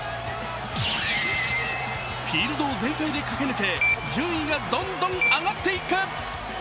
フィールドを全開で駆け抜け、順位がどんどん上がっていく。